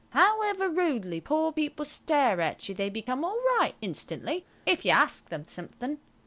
However rudely poor people stare at you they become all right instantly if you ask them something.